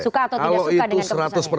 suka atau tidak suka dengan keputusan